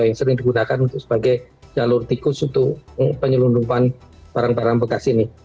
yang sering digunakan untuk sebagai jalur tikus untuk penyelundupan barang barang bekas ini